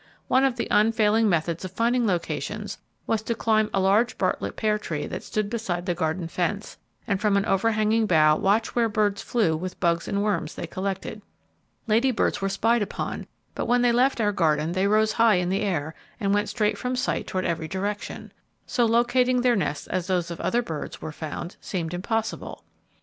One of the unfailing methods of finding locations was to climb a large Bartlett pear tree that stood beside the garden fence, and from an overhanging bough watch where birds flew with bugs and worms they collected. Lady Birds were spied upon, but when they left our garden they arose high in air, and went straight from sight toward every direction. So locating their nests as those of other birds were found, seemed impossible.